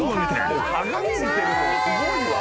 「はーい」鏡見てるのすごいわ。